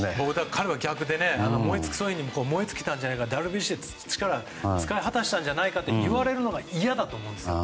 彼は逆で燃え尽きたんじゃないかとかＷＢＣに力を使い果たしたんじゃないかと言われるのが嫌だと思うんです。